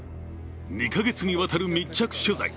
２か月にわたる密着取材。